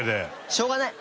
しょうがない！